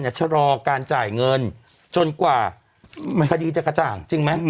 ชะลอการจ่ายเงินจนกว่าคดีจะกระจ่างจริงไหม